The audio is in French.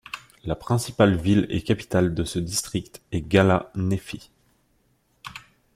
La principale ville et capitale de ce district est Ghala Nefhi.